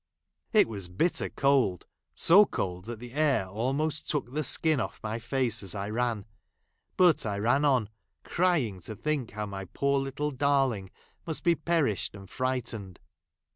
; It wCvS bitter cold ; so cold that the air almost ; took the skin J)ff my face as I ran, biit I ran ; on, crying to think how my poor little darling must be perished and frightened.